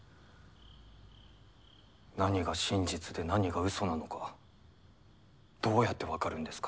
何が真実で何がうそなのかどうやって分かるんですか？